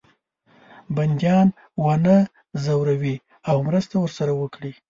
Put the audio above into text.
بندیان ونه زوروي او مرسته ورسره وکړي.